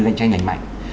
ganh tranh lành mạnh